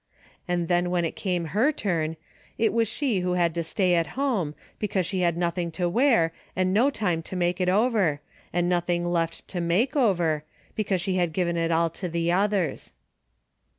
And then when it came her turn, it was she who had to stay at home, because she had nothing to wear, and no time to make it over, and noth ing left to make over, because she had given it all to the others.